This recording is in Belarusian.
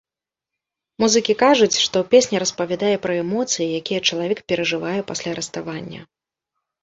Музыкі кажуць, што песня распавядае пра эмоцыі, якія чалавек перажывае пасля раставання.